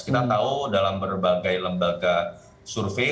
kita tahu dalam berbagai lembaga survei